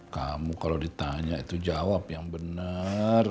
kamu kalau ditanya itu jawab yang benar